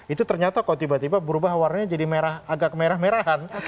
itu ternyata kok tiba tiba berubah warnanya jadi merah agak kemerah merahan